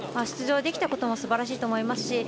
出場できたこともすばらしいと思いますし